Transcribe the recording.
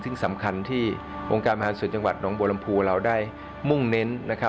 ซึ่งสำคัญที่องค์การบริหารส่วนจังหวัดน้องบัวลำพูเราได้มุ่งเน้น